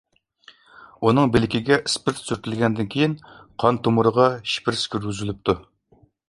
ئۇنىڭ بىلىكىگە ئىسپىرت سۈرتۈلگەندىن كېيىن، قان تومۇرىغا شپىرىس كىرگۈزۈلۈپتۇ.